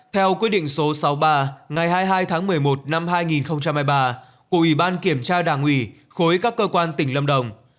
theo quyết định số sáu mươi ba ngày hai mươi hai tháng một mươi một năm hai nghìn hai mươi ba của ủy ban kiểm tra đảng ủy khối các cơ quan tỉnh lâm đồng